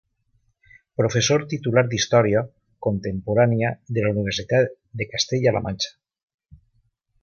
Professor titular d'Història Contemporània de la Universitat de Castella-la Manxa.